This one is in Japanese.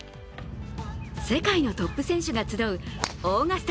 世界のトップ選手が集うオーガスタ